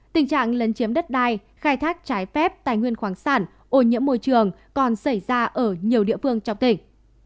tình trạng lấn chiếm đất đai khai thác trái phép tài nguyên khoáng sản ô nhiễm môi trường còn xảy ra ở nhiều địa phương trong tỉnh